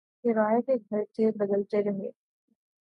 Kiray K Ghar Thay Badalty Rahay